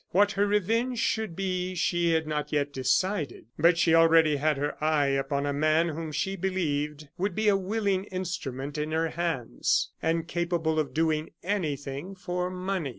What her revenge should be she had not yet decided; but she already had her eye upon a man whom she believed would be a willing instrument in her hands, and capable of doing anything for money.